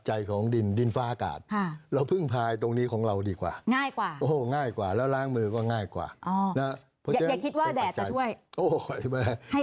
ให้คิดว่าหน้ากากกับล้างมือดีกว่าใช่ไหมครับ